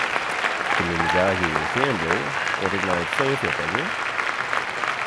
Kin myn bagaazje hjir stean bliuwe oant ik nei it fleanfjild ta gean?